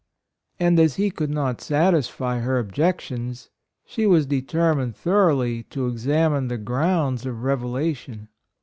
And as he could not satisfy her objections, she was de termined thoroughly to examine the grounds of revelation.